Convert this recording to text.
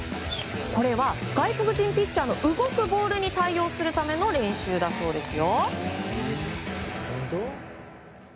これは外国人ピッチャーの動くボールに対応するための練習だそうですよ。